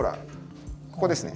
ここですね。